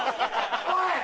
おい！